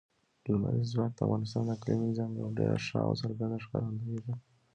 لمریز ځواک د افغانستان د اقلیمي نظام یوه ډېره ښه او څرګنده ښکارندوی ده.